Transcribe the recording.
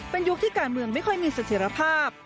เป็นยุคที่การเมืองไม่ค่อยมีเสถียรภาพ